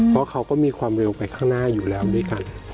เพราะเขาก็มีความเร็วไปข้างหน้าอยู่แล้วด้วยกัน